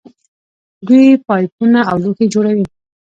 دوی پایپونه او لوښي جوړوي.